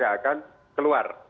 dia akan keluar